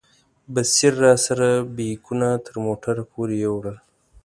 بصیر راسره بیکونه تر موټره پورې یوړل.